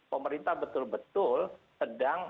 pemerintah betul betul sedang